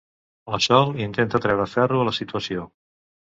La Sol intenta treure ferro a la situació.